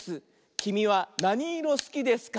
「きみはなにいろすきですか？